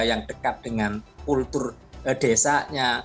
yang dekat dengan kultur desanya